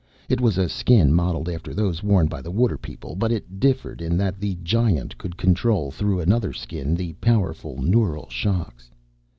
It was a Skin modeled after those worn by the Water people, but it differed in that the Giant could control, through another Skin, the powerful neural shocks.